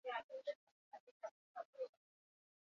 Aurkaria baino gehiago izan da, eta merezita irabazi du neurketa.